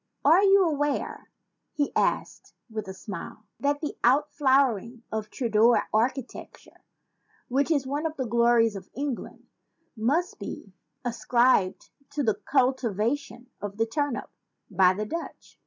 "Are you aware," he asked with a smile, "that the outflowering of Tudor architecture, which is one of the glories of England, must be 137 ON THE LENGTH OF CLEOPATRA'S NOSE ascribed to the cultivation of the turnip by the Dutch?"